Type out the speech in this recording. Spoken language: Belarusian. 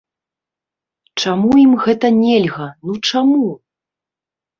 Чаму ім гэта нельга, ну чаму?